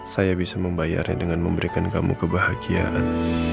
saya bisa membayarnya dengan memberikan kamu kebahagiaan